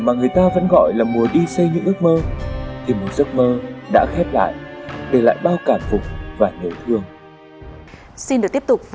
mỗi người một cuộc đời một hành trình riêng